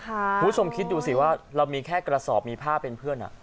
คุณผู้ชมคิดดูสิว่าเรามีแค่กระสอบมีผ้าเป็นเพื่อน